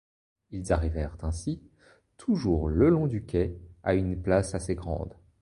Ils arrivèrent ainsi, toujours le long du quai, à une place assez grande.